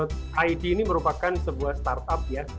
karena id ini merupakan sebuah startup ya